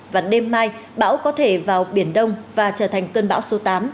và đêm mai bão có thể vào biển đông và trở thành cơn bão số tám